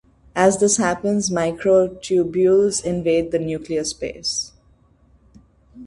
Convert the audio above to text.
As this happens, microtubules invade the nuclear space.